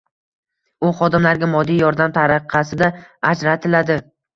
u xodimlarga moddiy yordam tariqasida ajratiladi.